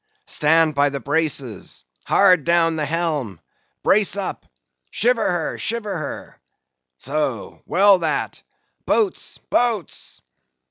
Stand by the braces! Hard down the helm!—brace up! Shiver her!—shiver her!—So; well that! Boats, boats!"